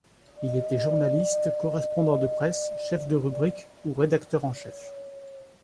Il était journaliste, correspondant de presse, chef de rubrique ou rédacteur en chef.